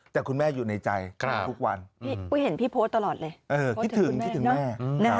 แต่คุณแม่อยู่ในใจครับทุกวันปุ๊ยเห็นพี่โพสต์ตลอดเลยโพสต์ถึงคุณแม่นะ